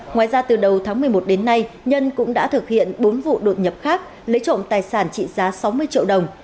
ngoài ra từ đầu tháng một mươi một đến nay nhân cũng đã thực hiện bốn vụ đột nhập khác lấy trộm tài sản trị giá sáu mươi triệu đồng